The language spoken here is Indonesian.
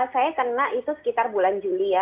saya kena itu sekitar bulan juli ya